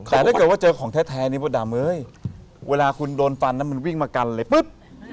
แต่ถ้าเกิดว่าเจอของแท้นี่มดดำเฮ้ยเวลาคุณโดนฟันแล้วมันวิ่งมากันเลยปุ๊บ